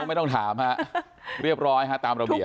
ไม่ต้องถามฮะเรียบร้อยฮะตามระเบียบ